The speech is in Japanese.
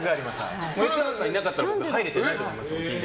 吉川さんがいなかったら僕は入れてなかったと思います。